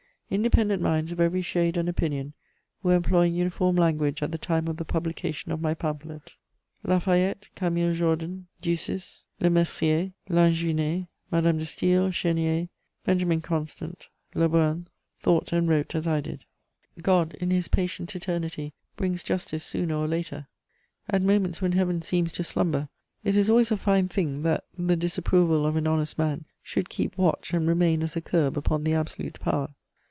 Independent minds of every shade and opinion were employing uniform language at the time of the publication of my pamphlet. La Fayette, Camille Jordan, Ducis, Lemercier, Lanjuinais, Madame de Staël, Chénier, Benjamin Constant, Le Brun thought and wrote as I did. God, in His patient eternity, brings justice sooner or later: at moments when Heaven seems to slumber, it is always a fine thing that the disapproval of an honest man should keep watch and remain as a curb upon the absolute power.